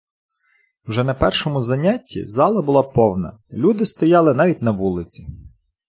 Вже на першому занятті зала була повна, люди стояли навіть на вулиці.